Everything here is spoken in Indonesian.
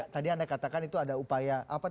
tadi anda katakan itu ada upaya